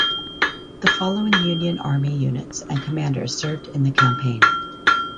The following Union Army units and commanders served in the campaign.